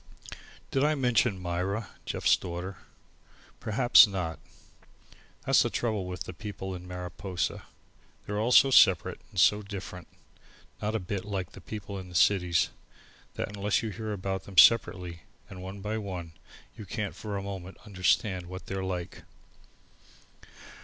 Did I mention Myra, Jeff's daughter? Perhaps not. That's the trouble with the people in Mariposa; they're all so separate and so different not a bit like the people in the cities that unless you hear about them separately and one by one you can't for a moment understand what they're like.